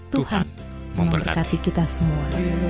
tuhan memberkati kita semua